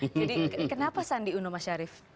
jadi kenapa sandi uno mas syarif